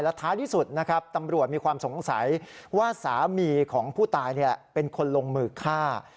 ท้ายที่สุดนะครับตำรวจมีความสงสัยว่าสามีของผู้ตายเป็นคนลงมือฆ่า